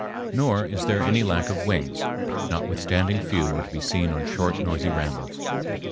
Nor is there any lack of wings, notwithstanding few are to be seen on short, noisy rambles.